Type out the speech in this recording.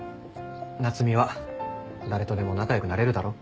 夏海は誰とでも仲良くなれるだろ？